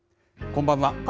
こんばんは。